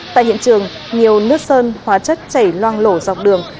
tại hiện trường nhiều nước sơn hóa chất chảy loang lộ dọc đường